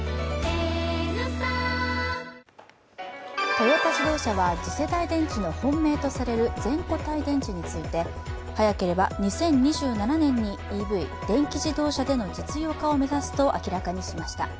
トヨタ自動車は次世代電池の本命とされる全固体電池について早ければ２０２７年にＥＶ＝電気自動車での実用化を目指すと明らかにしました。